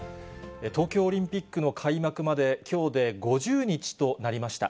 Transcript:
東京オリンピックの開幕まできょうで５０日となりました。